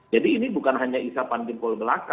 jadi ini bukan hanya isapan jempol gelas